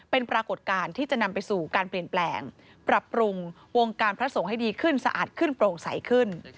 เป็นปรากฏการณ์ที่จะนำไปสู่การเปลี่ยนแปลงปรับปรุงวงการพระสงฆ์ให้ดีขึ้นสะอาดขึ้นโปร่งใสขึ้น